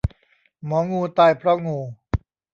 หมองูตายเพราะงู